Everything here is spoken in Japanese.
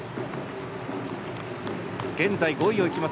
現在５位をいきます